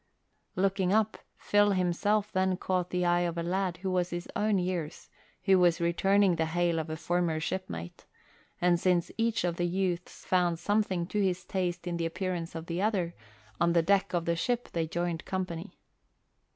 Looking up, Phil himself then caught the eye of a lad of his own years who was returning the hail of a former shipmate, and since each of the youths found something to his taste in the appearance of the other, on the deck of the ship they joined company.